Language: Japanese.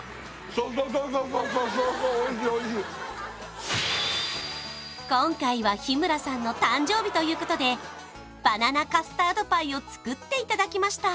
そうそうそうそうおいしいおいしい今回は日村さんの誕生日ということでバナナカスタードパイを作っていただきました